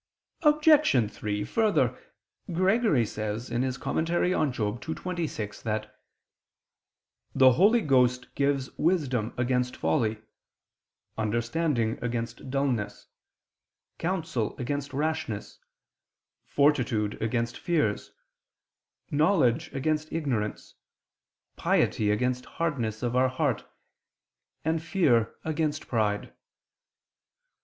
Obj. 3: Further, Gregory says (Moral. ii, 26) that "the Holy Ghost gives wisdom against folly, understanding against dullness, counsel against rashness, fortitude against fears, knowledge against ignorance, piety against hardness of our heart, and fear against pride."